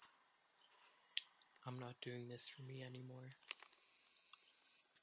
I'm not doing this for me anymore.